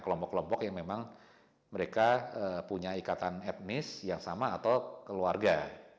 kelompok kelompok yang memang mereka punya ikatan etnis yang sama atau keluarga